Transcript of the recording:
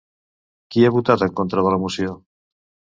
Qui ha votat en contra de la moció?